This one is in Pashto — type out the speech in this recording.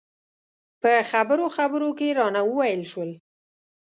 په خبرو خبرو کې رانه وویل شول.